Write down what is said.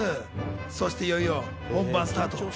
そしていよいよ本番スタート。